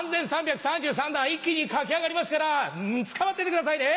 ３３３３段一気に駆け上がりますからつかまっててくださいね！